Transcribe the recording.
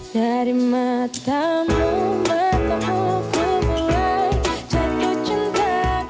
kami mulai jatuh cinta